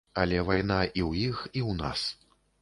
Але вайна і ў іх, і ў нас.